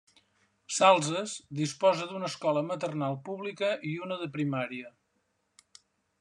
Salses disposa d'una escola maternal pública i una de primària.